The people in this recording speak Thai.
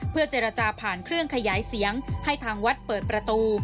เพื่อเจรจาผ่านเครื่องขยายเสียงให้ทางวัดเปิดประตู